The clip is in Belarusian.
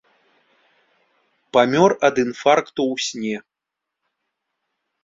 Памёр ад інфаркту ў сне.